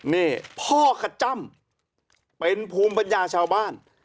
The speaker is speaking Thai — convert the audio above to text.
นี่พ่อขจ้ำเป็นภูมิปัญญาชาวบ้าน